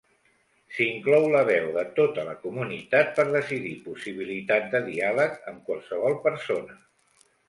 S’inclou la veu de tota la comunitat per decidir, possibilitat de diàleg amb qualsevol persona.